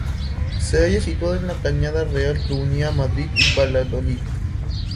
Se halla situado en la cañada real que unía Madrid y Valladolid.